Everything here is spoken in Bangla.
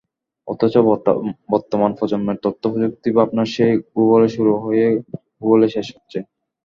অথচ বর্তমান প্রজন্মের তথ্যপ্রযুক্তিভাবনা সেই গুগলে শুরু হয়ে গুগলেই শেষ হচ্ছে।